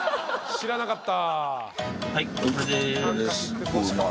知らなかった。